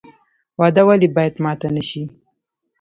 وعده ولې باید ماته نشي؟